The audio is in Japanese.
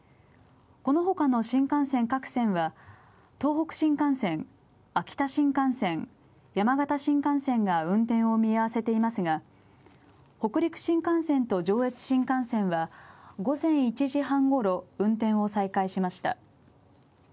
この他の新幹線各線は東北新幹線、秋田新幹線山形新幹線が運転を見合わせていますが、北陸新幹線と上越新幹線は午前１時半頃、運転を再開しました。